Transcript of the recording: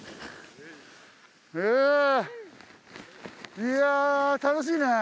いや楽しいね。